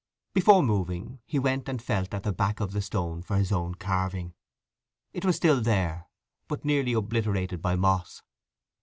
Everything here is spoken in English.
Before moving on he went and felt at the back of the stone for his own carving. It was still there; but nearly obliterated by moss.